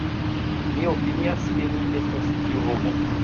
Mi opinias ke mi estas tiu homo.